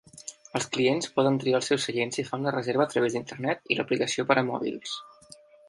Els clients poden triar els seus seients si fan la reserva a través d'Internet i l'aplicació per a mòbils.